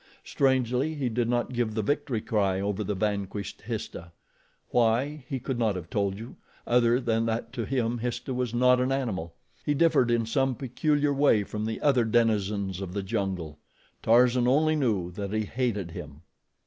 Strangely, he did not give the victory cry over the vanquished Histah. Why, he could not have told you, other than that to him Histah was not an animal. He differed in some peculiar way from the other denizens of the jungle. Tarzan only knew that he hated him.